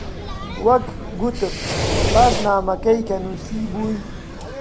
وەک گوتم، پاش نامەکەی کە نووسیبووی: